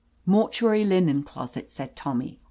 "Mortuary linen closet," said Tommy.